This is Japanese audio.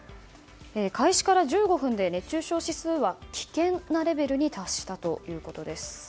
開始から１５分で熱中症指数は危険なレベルに達したということです。